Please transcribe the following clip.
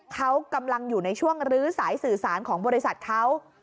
เขากำลังอยู่ในช่วงลื้อสายสื่อสารของบริษัทเขา